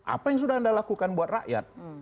apa yang sudah anda lakukan buat rakyat